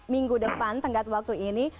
minggu depan tenggat waktu ini